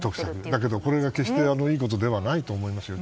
だけど決していいことではないと思いますよ。